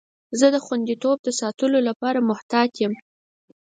زه د خوندیتوب د ساتلو لپاره محتاط یم.